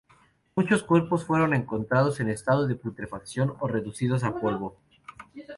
Muchos cuerpos fueron encontrados en estado de putrefacción o reducidos a polvo.